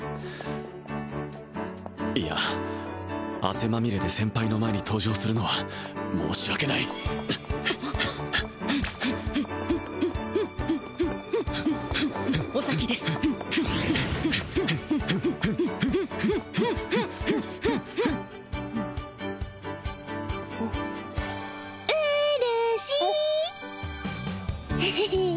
いや汗まみれで先輩の前に登場するのは申し訳ないお先ですうーるー